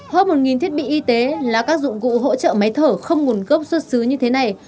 hơn một thiết bị y tế là các dụng cụ hỗ trợ máy thở không nguồn gốc xuất xứ như thế này